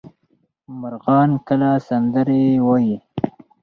مرغان کله سندرې وايي؟